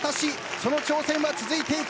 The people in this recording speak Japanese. その挑戦は続いていく。